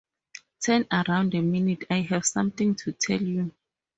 Turn around a minute, I have something to tell you.